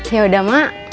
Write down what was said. ya udah mak